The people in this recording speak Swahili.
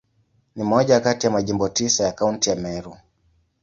Ni moja kati ya Majimbo tisa ya Kaunti ya Meru.